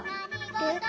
えっ？